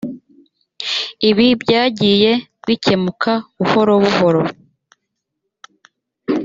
ibi byagiye bikemuka buhoro buhoro